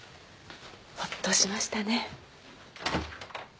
ほっとしましたね。